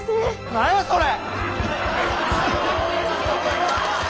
何やそれ！